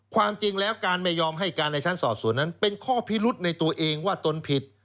ความจริงแล้วการไม่ยอมให้การในชั้นสอบสวนนั้นเป็นข้อพิรุธในตัวเองว่าตนผิด